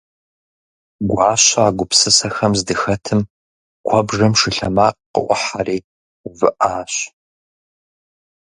Гуащэ а гупсысэхэм здыхэтым куэбжэм шы лъэмакъ къыӏухьэри увыӏащ.